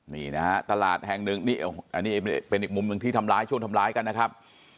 นี่นะฮะตลาดแห่งหนึ่งนี่อันนี้เป็นอีกมุมหนึ่งที่ทำร้ายช่วงทำร้ายกันนะครับ